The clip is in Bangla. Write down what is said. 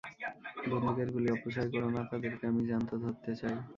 বন্দুকের গুলি অপচয় করো না, তাদেরকে আমি জ্যান্ত ধরতে চাই।